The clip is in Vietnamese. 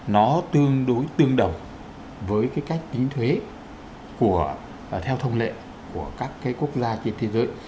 nó tương đối tương đồng với cái cách tính thuế theo thông lệ của các cái quốc gia trên thế giới